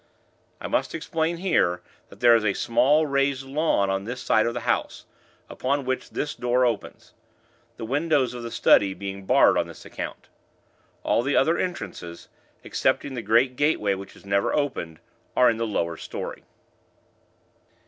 I must explain here, that there is a small, raised lawn on this side of the house, upon which this door opens the windows of the study being barred on this account. All the other entrances excepting the great gateway which is never opened are in the lower storey.